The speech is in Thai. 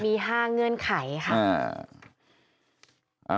มี๕เงื่อนไขค่ะ